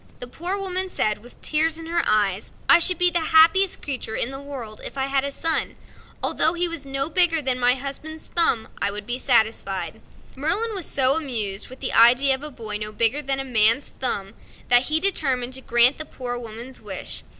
The Poor Woman said, with tears in her eves: "I should be the happiest creature in the world if I had a son although he was no bigger than my husband's thumb." Merlin was so much amused with the idea of a boy no bigger than a man's thumb that he determined to grant the Poor Woman's wish.